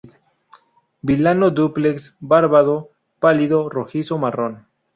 Vilano dúplex, barbado, pálido rojizo marrón.